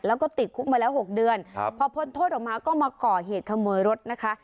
แล้วก็ติดคุกมาแล้ว๖เดือนพอพ้นโทษออกมาก็มาก่อเหตุขโมยรถนะคะ